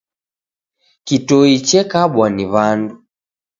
Kitoi chekabwa ni w'andu.